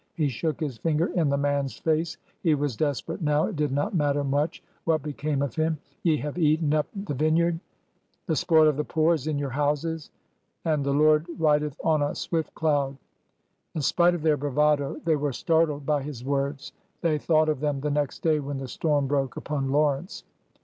He shook his finger in the man's face. He was desperate now — it did not matter much what became of him. ^ Ye have eaten up the vineyard ; the spoil of the poor is in your houses.' And —^ the Lord rideth on a swift cloud 1 '" In spite of their bravado, they were startled by his words. They thought of them the next day when the storm broke upon Lawrence.